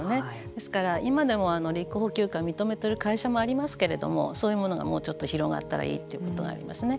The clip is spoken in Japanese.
ですから、今でも立候補休暇を認めている会社もありますけれどもそういうものがもうちょっと広がったらいいということがありますね。